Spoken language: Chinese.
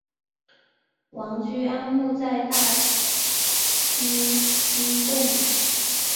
王居安墓在大溪西贡。